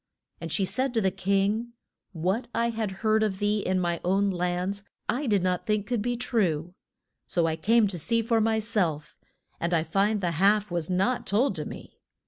And she said to the king, What I had heard of thee in my own lands I did not think could be true. So I came to see for my self, and I find the half was not told to me.